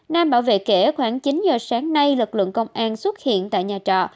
nam bảo vệ kẻ khoảng chín giờ sáng nay lực lượng công an xuất hiện tại nhà trọ